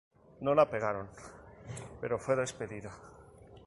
No la pegaron, pero fue despedida.